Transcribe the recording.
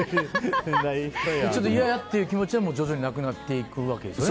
ちょっといややって気持ちは徐々になくなっていくわけですね。